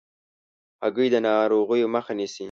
هګۍ د ناروغیو مخه نیسي.